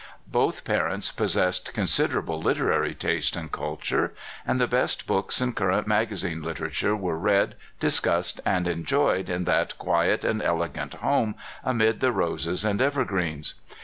Both parents pos sessed considerable literary taste and culture, and the best books and current magazine literature were read, discussed, and enjoyed in that quiet and elegant home amid the roses and evergreens.